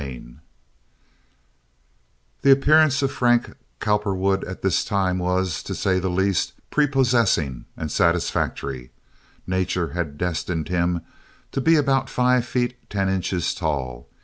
Chapter IV The appearance of Frank Cowperwood at this time was, to say the least, prepossessing and satisfactory. Nature had destined him to be about five feet ten inches tall.